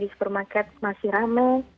di supermarket masih ramai